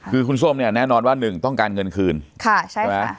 คือคุณส้มเนี่ยแน่นอนว่าหนึ่งต้องการเงินคืนค่ะใช่ไหม